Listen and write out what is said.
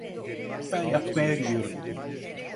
Ben yatmaya gidiyorum.